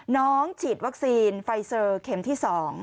ฉีดวัคซีนไฟเซอร์เข็มที่๒